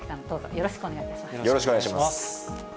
よろしくお願いします。